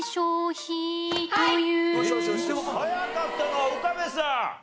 早かったのは岡部さん。